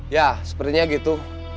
ya sepertinya gitu